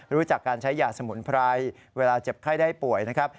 รู้จักการใช้ยาสมุนไพรเวลาเจ็บไข้ได้ป่วยนะครับ